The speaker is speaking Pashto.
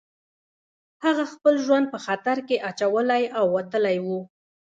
هغه خپل ژوند په خطر کې اچولی او وتلی و